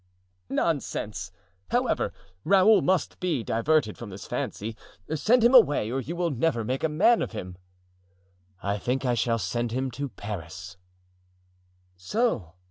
"Nonsense! However, Raoul must be diverted from this fancy. Send him away or you will never make a man of him." "I think I shall send him to Paris." "So!"